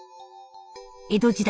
江戸時代